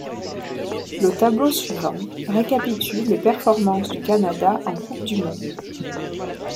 Le tableau suivant récapitule les performances du Canada en Coupe du monde.